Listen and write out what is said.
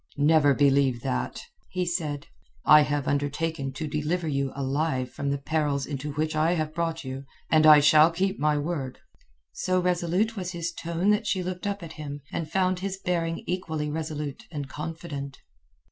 "Never believe that," he said. "I have undertaken to deliver you alive from the perils into which I have brought you, and I shall keep my word." So resolute was his tone that she looked up at him, and found his bearing equally resolute and confident.